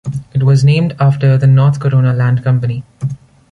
It was named after the North Corona Land Company.